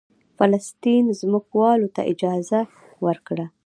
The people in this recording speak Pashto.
قسطنطین ځمکوالو ته اجازه ورکړه